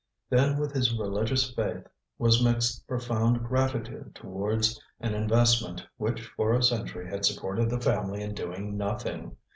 Then with his religious faith was mixed profound gratitude towards an investment which for a century had supported the family in doing nothing.